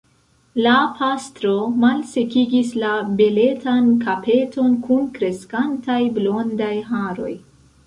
La pastro malsekigis la beletan kapeton kun kreskantaj blondaj haroj.